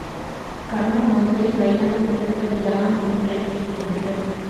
கண்ணமங்கை வைணவத் திருப்பதிகளாம் நூற்றெட்டில் ஒன்று.